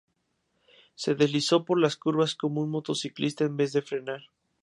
Se deslizó por las curvas como un motociclista en vez de frenar.